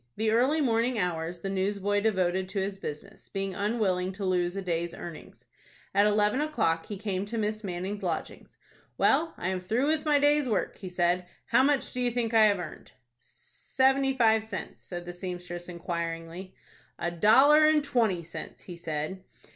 The early morning hours the newsboy devoted to his business, being unwilling to lose a day's earnings. At eleven o'clock he came to Miss Manning's lodgings. "Well, I am through with my day's work," he said. "How much do you think I have earned?" "Seventy five cents?" said the seamstress, inquiringly. "A dollar and twenty cents," he said.